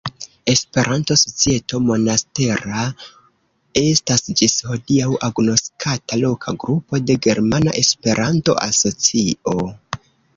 Esperanto-Societo Monastera estas ĝis hodiaŭ agnoskata loka grupo de Germana Esperanto-Asocio.